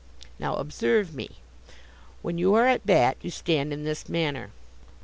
Now, observe me; when you are at bat you stand in this manner."